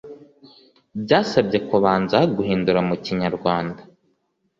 byasabye kubanza guhindura mu kinyarwanda